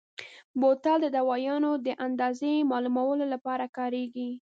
بوتل د دوایانو د اندازې معلومولو لپاره کارېږي.